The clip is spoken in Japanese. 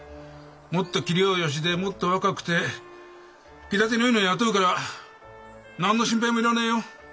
もっと器量よしでもっと若くて気立てのいいのを雇うから何の心配もいらねえよ。